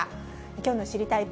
きょうの知りたいッ！